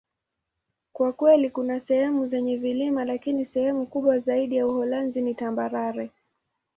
Kwa kweli, kuna sehemu zenye vilima, lakini sehemu kubwa zaidi ya Uholanzi ni tambarare.